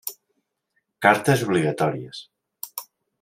Cartes obligatòries.